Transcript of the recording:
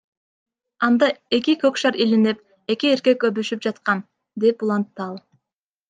Анда эки көк шар илинип, эки эркек өбүшүп жаткан, — деп улантты ал.